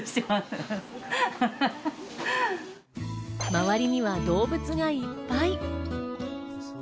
周りには動物がいっぱい。